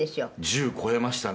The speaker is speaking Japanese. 「１０超えましたね」